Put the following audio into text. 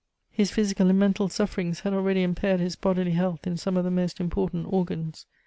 His physical and mental sufferings had already impaired his bodily health in some of the most important organs.